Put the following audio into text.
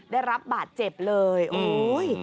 ได้รับบาดเจ็บเลยโอ้ย